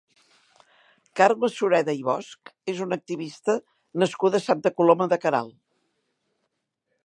Carme Sureda i Bosch és una activista nascuda a Santa Coloma de Queralt.